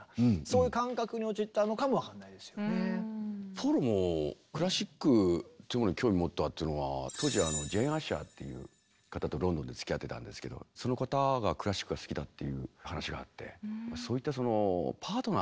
ポールもクラシックっていうものに興味を持ったっていうのは当時ジェーン・アッシャーっていう方とロンドンでつきあってたんですけどその方がクラシックが好きだっていう話があって。